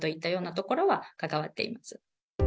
ところは関わっています。